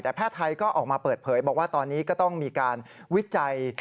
แต่แพทย์ไทยก็ออกมาเปิดเผยบอกว่าตอนนี้ก็ต้องมีการวิจัย